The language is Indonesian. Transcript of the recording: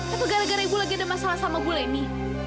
apa gara gara ibu lagi ada masalah sama gue ini